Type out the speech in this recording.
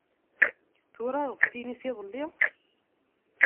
Turareḍ tinis iḍelli.